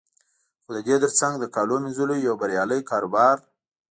خو د دې تر څنګ د کالو مینځلو یو بریالی کاروبار